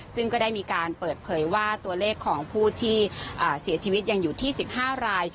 ซึ่งก็ได้มีการเปิดเผยว่าตัวเลขของผู้ที่เสียชีวิตยังอยู่ที่๑๕ราย